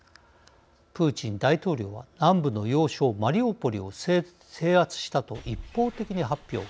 プーチン大統領は南部の要衝マリウポリを制圧したと一方的に発表。